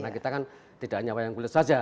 karena kita kan tidak hanya wayang gulet saja